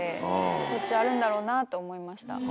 しょっちゅうあるんだろうなと思いました。